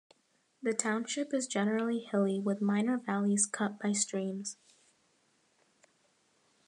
The township is generally hilly with minor valleys cut by streams.